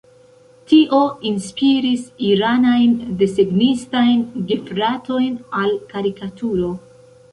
Tio inspiris iranajn desegnistajn gefratojn al karikaturo.